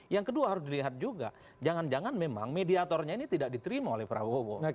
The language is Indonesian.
yang kedua harus dilihat juga jangan jangan memang mediatornya ini tidak diterima oleh prabowo